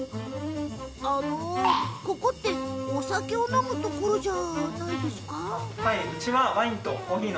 あの、ここってお酒を飲むところじゃないんですか？